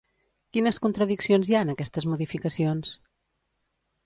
Quines contradiccions hi ha en aquestes modificacions?